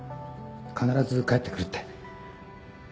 必ず帰ってくるって。